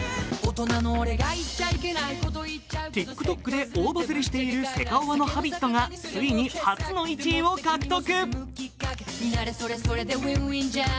ＴｉｋＴｏｋで大バズりしているセカオワの「Ｈａｂｉｔ」がついに初の１位を獲得！